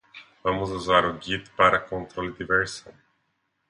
Vamos usar o Git para controle de versão.